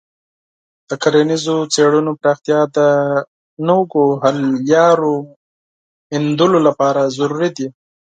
د کرنیزو څیړنو پراختیا د نویو حل لارو موندلو لپاره ضروري ده.